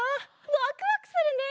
ワクワクするね！